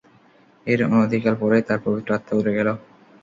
এর অনতিকাল পরেই তার পবিত্র আত্মা উড়ে গেল।